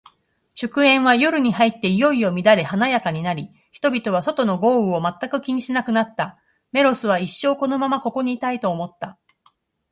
祝宴は、夜に入っていよいよ乱れ華やかになり、人々は、外の豪雨を全く気にしなくなった。メロスは、一生このままここにいたい、と思った。